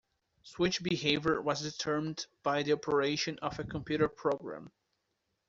Switch behavior was determined by the operation of a computer program.